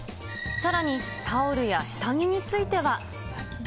さらにタオルや下着については。